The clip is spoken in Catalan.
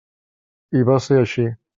I va ser així.